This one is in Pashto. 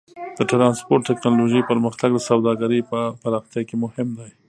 د ټرانسپورټ ټیکنالوجۍ پرمختګ د سوداګرۍ په پراختیا کې مهم دی.